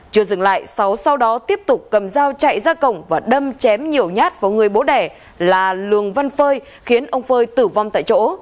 chưa dừng lại sáu sau đó tiếp tục cầm dao chạy ra cổng và đâm chém nhiều nhát vào người bố đẻ là lường văn phơi khiến ông phơi tử vong tại chỗ